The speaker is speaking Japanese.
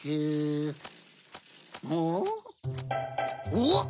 おっ？